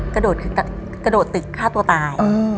กระโดดคือกระโดดตึกฆ่าตัวตาย